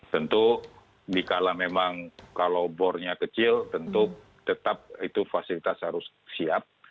tentu dikala memang kalau bornya kecil tentu tetap itu fasilitas harus siap